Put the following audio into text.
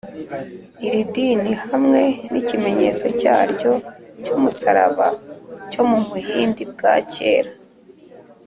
iri dini hamwe n’ikimenyetso cyaryo cy’umusaraba cyo mu buhindi bwa kera